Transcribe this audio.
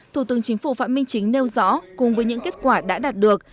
thủ tướng chính phủ phạm minh chính nêu rõ cùng với những kết quả đã đạt được